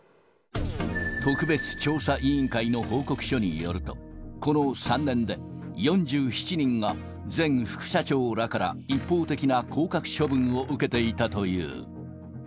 特別調査委員会の報告書によると、この３年で４７人が前副社長らから一方的な降格処分を受けていたという。